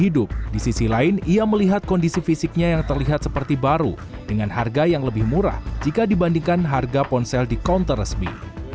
di sisi lain ia melihat kondisi fisiknya yang terlihat seperti baru dengan harga yang lebih murah jika dibandingkan harga ponsel di counter resmi